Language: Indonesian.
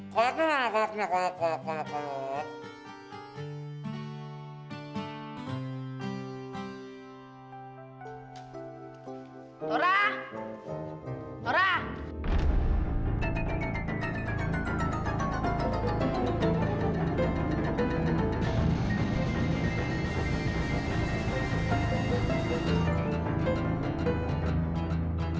koraknya mana koraknya korak korak korak korak